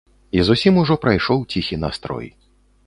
І зусім ужо прайшоў ціхі настрой.